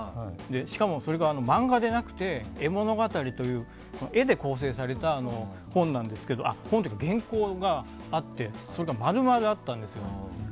しかも、それが漫画でなくて絵物語という絵で構成された本っていうか原稿があってそれが丸々あったんですよ。